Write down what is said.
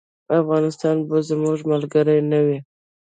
افغانستان به زموږ ملګری نه وي.